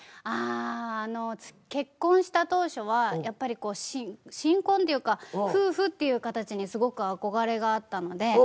あの結婚した当初はやっぱり新婚というか夫婦っていう形にすごく憧れがあったので。